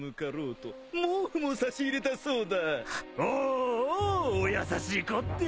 おおお優しいこって